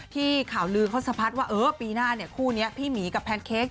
ที่ข่าวลือเขาสะพัดว่าปีหน้าผู้นี้พี่หมีกับแพนเค้ก